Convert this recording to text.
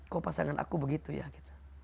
kok pasangan aku begitu ya kita